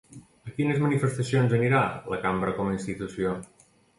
A quines manifestacions anirà la Cambra com a institució?